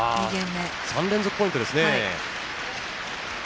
３連続ポイントですね。